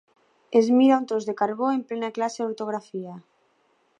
Es mira un tros de carbó en plena classe d'ortografia.